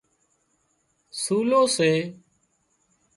سُولو سي